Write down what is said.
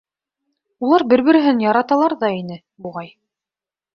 Улар бер-береһен яраталар ҙа ине, буғай.